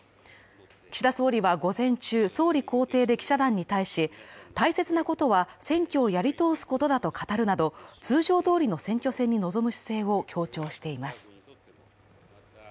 岸田総理は午前中、総理公邸で記者団に対し大切なことは選挙をやり通すことだと語るなど、通常どおりの選挙戦に臨む姿勢を強調しています。